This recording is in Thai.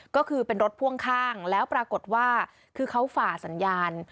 ก็คือเป็นรถพ่วงข้างแล้วปรากฏว่าคือเขาฝ่าสัญญาณ